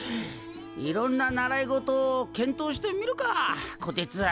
いろんな習い事を検討してみるかこてつ。